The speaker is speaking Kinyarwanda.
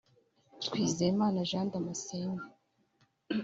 Twizerimana Jean Damascène